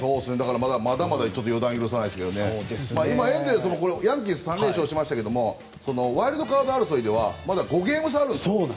まだまだ予断は許さないですけど今、エンゼルスはヤンキース３連勝しましたけどワイルドカード争いではまだ５ゲーム差あるんです。